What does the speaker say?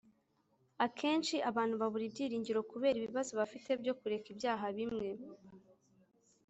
Akenshi abantu babura ibyiringiro kubera ibibazo bafite byo kureka ibyaha bimwe.